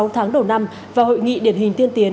sáu tháng đầu năm và hội nghị điển hình tiên tiến